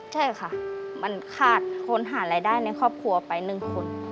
ใช่ค่ะมันขาดค้นหารายได้ในครอบครัวไป๑คน